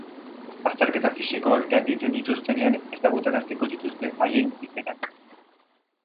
Azterketa fisikoak gainditzen dituztenean ezagutaraziko dituzte haien izenak.